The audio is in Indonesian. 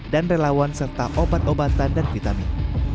dan relawan serta obat obatan dan vitamin